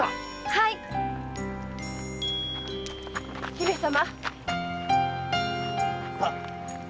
姫様。